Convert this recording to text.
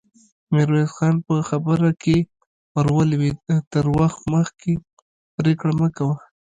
ميرويس خان په خبره کې ور ولوېد: تر وخت مخکې پرېکړه مه کوه!